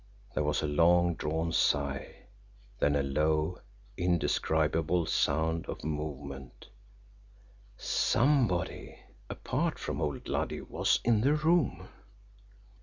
There was a long drawn sigh then a low, indescribable sound of movement. SOMEBODY, APART FROM OLD LUDDY, WAS IN THE ROOM!